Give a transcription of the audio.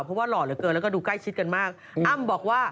เพราะว่าหล่อเหลือเกินแล้วก็ดูใกล้ชิดกันมาก